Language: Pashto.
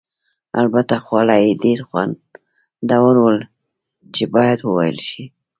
البته خواړه یې ډېر خوندور ول چې باید وویل شي.